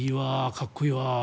かっこいいわ。